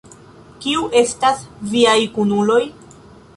Kiu estas viaj kunuloj?